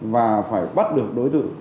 và phải bắt được đối tượng